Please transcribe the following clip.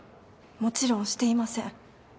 もちろんしていません。